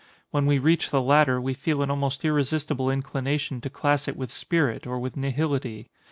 When we reach the latter, we feel an almost irresistible inclination to class it with spirit, or with nihility.